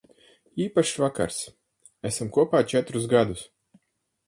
Īpašs vakars. Esam kopā četrus gadus.